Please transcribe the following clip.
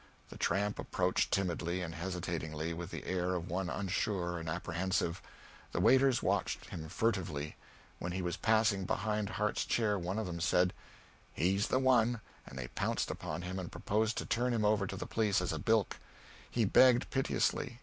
The tramp approached timidly and hesitatingly, with the air of one unsure and apprehensive. The waiters watched him furtively. When he was passing behind Harte's chair one of them said, "He's the one!" and they pounced upon him and proposed to turn him over to the police as a bilk. He begged piteously.